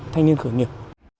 thanh niên khởi nghiệp